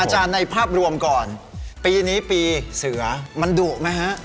อาจารย์ในภาพรวมก่อนปีนี้ปีเสือมันดุไหมฮะ